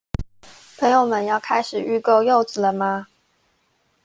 朋友們要開始預購柚子了嗎？